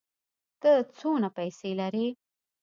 ته څونه پېسې لرې؟